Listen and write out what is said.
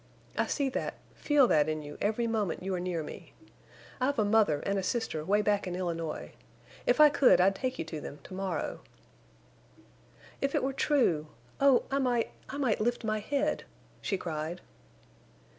I see that—feel that in you every moment you are near me. I've a mother and a sister 'way back in Illinois. If I could I'd take you to them—to morrow." "If it were true! Oh, I might—I might lift my head!" she cried.